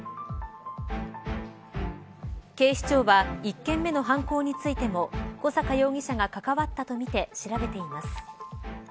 警視庁は１件目の犯行についても小阪容疑者が関わったとみて調べています。